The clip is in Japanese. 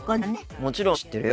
もちろん今は知ってるよ。